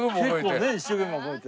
結構ね一生懸命覚えて。